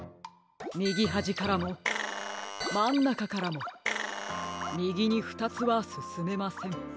みぎはじからもまんなかからもみぎにふたつはすすめません。